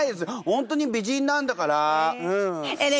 本当に美人なんだから。